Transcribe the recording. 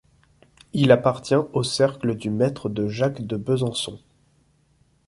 Il appartient au cercle du Maître de Jacques de Besançon.